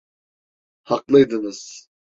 Haklıydınız.